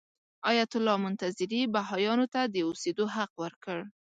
ایت الله منتظري بهايانو ته د اوسېدو حق ورکړ.